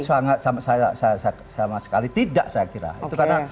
sangat sama sekali tidak saya kira